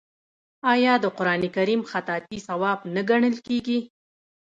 آیا د قران کریم خطاطي ثواب نه ګڼل کیږي؟